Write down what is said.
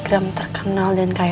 selepgram terkenal dan kaya raya